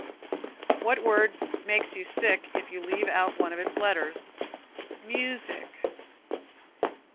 What word makes you sick if you leave out one of its letters? Music.